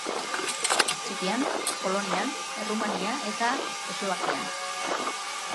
Txekian, Polonian, Errumania eta Eslovakian.